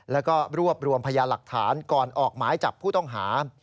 แล้วก็รวบรวมพยาหลักฐานก่อนออกหมายจับผู้ต้องหา